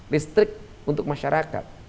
listrik untuk masyarakat